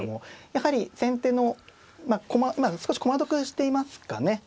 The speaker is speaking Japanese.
やはり先手の駒少し駒得していますかね。